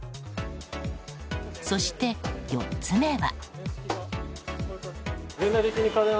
そして、４つ目は。